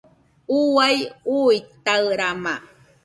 Uai uitaɨrama